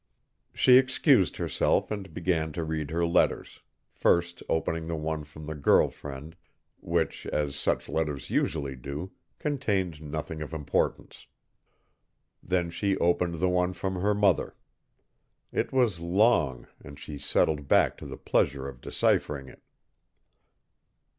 She excused herself and began to read her letters, first opening the one from the girl friend, which, as such letters usually do, contained nothing of importance. Then she opened the one from her mother. It was long, and she settled back to the pleasure of deciphering it.